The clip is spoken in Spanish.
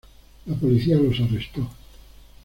La Policía los arrestó.